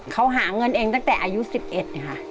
เขาหาเงินเองตั้งแต่อายุ๑๑ค่ะ